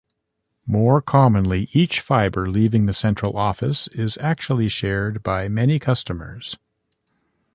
More commonly, each fiber leaving the central office is actually shared by many customers.